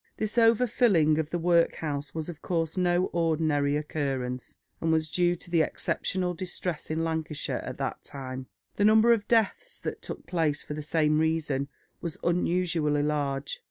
This over filling of the workhouse was of course no ordinary occurrence, and was due to the exceptional distress in Lancashire at that time. The number of deaths that took place, for the same reason, was unusually large.